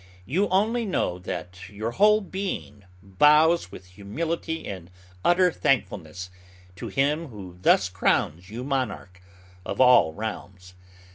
You only know that your whole being bows with humility and utter thankfulness to him who thus crowns you monarch of all realms.